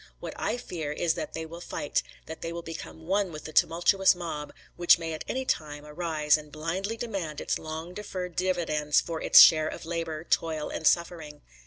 What I fear is that they will fight, that they will become one with the tumultuous mob, which may at any time arise and blindly demand its long deferred dividends for its share of labour, toil and suffering.